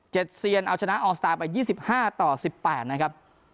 เซียนเอาชนะออนสตาร์ไป๒๕ต่อ๑๘นะครับ